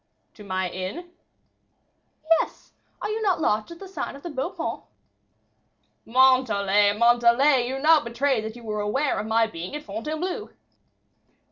"To my inn?" "Yes; are you not lodging at the sign of the Beau Paon?" "Montalais, Montalais, you now betray that you were aware of my being at Fontainebleau."